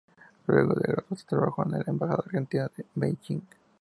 Luego de graduarse trabajó en la Embajada de Argentina en Beijing.